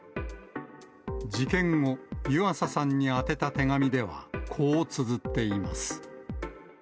事件後、湯浅さんに宛てた手紙では、こうつづっています。